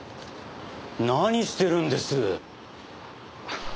何してるんです？